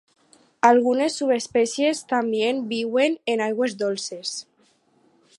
Algunes subespècies també viuen en aigües dolces.